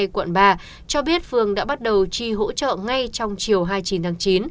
quận ba cho biết phường đã bắt đầu chi hỗ trợ ngay trong chiều hai mươi chín tháng chín